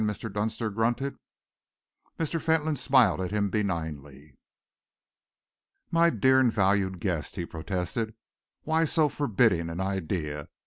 Mr. Dunster grunted. Mr. Fentolin smiled at him benignly. "My dear and valued guest," he protested, "why so forbidding an idea?